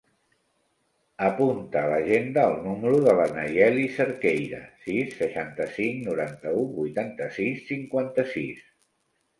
Apunta a l'agenda el número de la Nayeli Cerqueira: sis, seixanta-cinc, noranta-u, vuitanta-sis, cinquanta-sis.